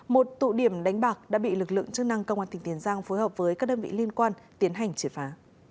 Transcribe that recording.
một tụ điểm đánh bạc đã bị lực lượng chức năng công an tỉnh tiền giang phối hợp với các đơn vị liên quan tiến hành triệt phá